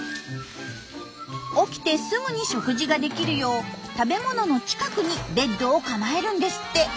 起きてすぐに食事ができるよう食べ物の近くにベッドを構えるんですって。